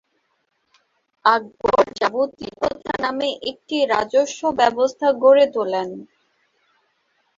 আকবর জাবতি প্রথা নামে একটি রাজস্ব ব্যবস্থা গড়ে তোলেন।